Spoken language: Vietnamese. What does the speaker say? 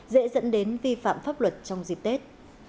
dễ dẫn đến vi phạm pháp luật trong dịp tết